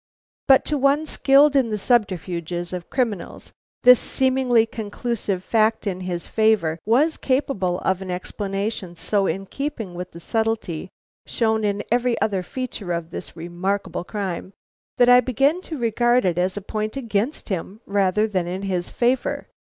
"But to one skilled in the subterfuges of criminals, this seemingly conclusive fact in his favor was capable of an explanation so in keeping with the subtlety shown in every other feature of this remarkable crime, that I began to regard it as a point against him rather than in his favor.